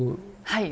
はい。